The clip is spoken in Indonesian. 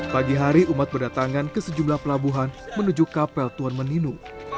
pagi hari umat berdatangan ke sejumlah pelabuhan menuju kapel tuan meninu